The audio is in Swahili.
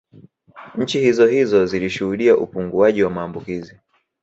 Nchi hizohizo zilishuhudia upunguaji wa maambukizi